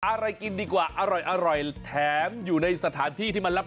อะไรกินดีกว่าอร่อยแถมอยู่ในสถานที่ที่มันรับ